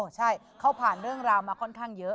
ใช่เขาผ่านเรื่องราวมาค่อนข้างเยอะ